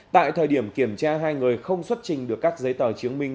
tại thời điểm kiểm tra hai người không xuất trình được các giấy tờ chứng minh